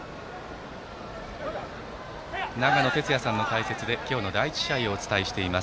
長野哲也さんの解説で今日の第１試合をお伝えしています。